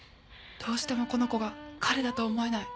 どうしてもこの子が彼だと思えない。